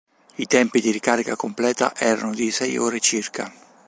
I tempi di ricarica completa erano di sei ore circa.